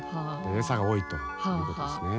餌が多いということですね。